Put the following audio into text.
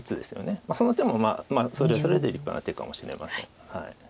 その手もまあそれはそれで立派な手かもしれません。